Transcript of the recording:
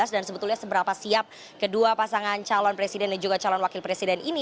dan sebetulnya seberapa siap kedua pasangan calon presiden dan juga calon wakil presiden ini